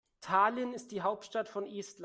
Tallinn ist die Hauptstadt von Estland.